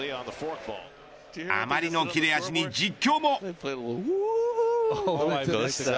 あまりの切れ味に実況も。